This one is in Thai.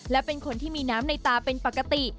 และเป็นคนที่มีน้ำในตาเป็นปกติ